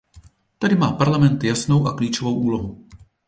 Tady má Parlament jasnou a klíčovou úlohu.